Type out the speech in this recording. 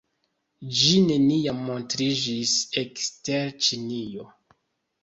Ĝi neniam montriĝis ekster Ĉinio.